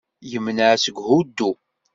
Yemneɛ seg uhuddu.